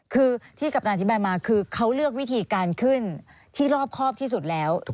คือที่กัปตันอธิบายมาคือเขาเลือกวิธีการขึ้นที่รอบครอบที่สุดแล้ว